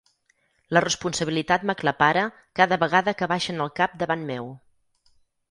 La responsabilitat m'aclapara cada vegada que abaixen el cap davant meu.